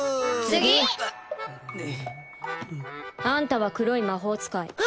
あんたは黒い魔法使い。